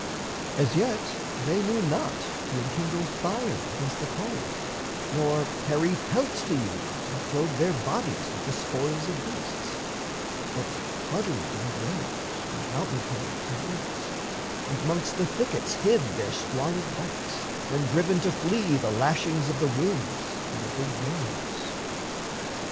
As yet they knew not to enkindle fire Against the cold, nor hairy pelts to use And clothe their bodies with the spoils of beasts; But huddled in groves, and mountain caves, and woods, And 'mongst the thickets hid their squalid backs, When driven to flee the lashings of the winds And the big rains.